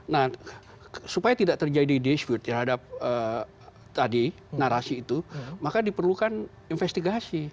nah supaya tidak terjadi dispute terhadap tadi narasi itu maka diperlukan investigasi